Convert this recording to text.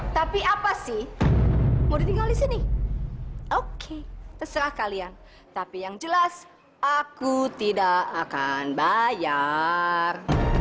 tapi apa sih mau ditinggal di sini oke terserah kalian tapi yang jelas aku tidak akan bayar